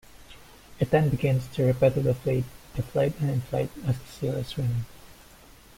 It then begins to repetitively deflate and inflate as the seal is swimming.